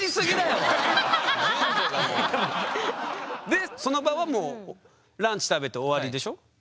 でその場はもうランチ食べて終わりでしょ？